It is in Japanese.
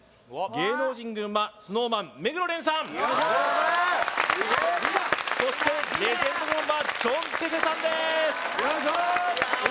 芸能人軍はＳｎｏｗＭａｎ目黒蓮さんそしてレジェンド軍はチョンテセさんですよいしょ！